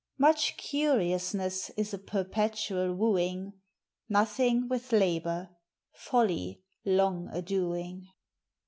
Much curiousnesse is a perpetual wooing; Nothing, with labor; folly, long a doing.